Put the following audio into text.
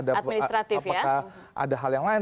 apakah ada hal yang lain